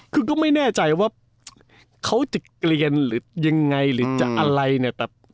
คือก็ไม่แน่ใจว่าเขาจะเกลียนหรือยังไงหรือจะอะไรเนี่ย